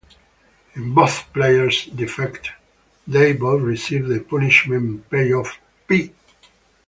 If both players defect, they both receive the punishment payoff "P".